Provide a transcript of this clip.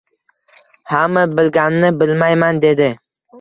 Hamma bilganini bilmayman dedi